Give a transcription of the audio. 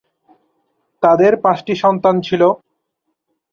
তাদের পাঁচটি সন্তান ছিল।